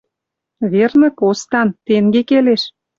Верны, костан. Тенге келеш.